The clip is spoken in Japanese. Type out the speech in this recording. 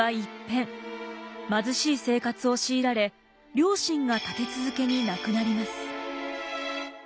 貧しい生活を強いられ両親が立て続けに亡くなります。